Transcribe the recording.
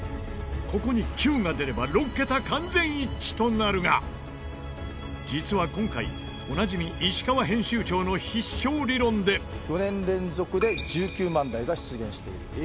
ここに９が出れば６桁完全一致となるが実は、今回おなじみ石川編集長の必勝理論で石川さん：５年連続で１９万台が出現している。